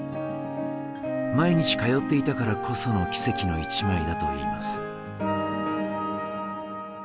毎日通っていたからこその奇跡の一枚だといいます。